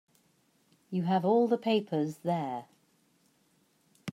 You have all the papers there.